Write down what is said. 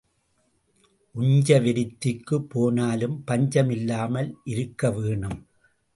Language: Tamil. உஞ்ச விருத்திக்குப் போனாலும் பஞ்சம் இல்லாமல் இருக்க வேணும்.